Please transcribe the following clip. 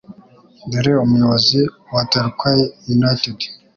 dore Umuyobozi wa Torquay United